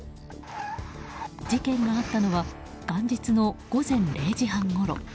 事件があったのは元日の午前０時半ごろ。